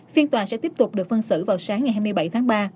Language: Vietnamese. phiên tòa sẽ tiếp tục được phân xử vào sáng ngày hai mươi bảy tháng ba